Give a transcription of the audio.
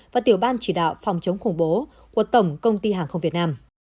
và tiểu ban chỉ đạo phòng chống khủng bố của tổng công ty hàng không việt nam